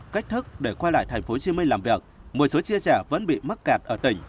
cách thức để quay lại thành phố hồ chí minh làm việc một số chia sẻ vẫn bị mắc kẹt ở tỉnh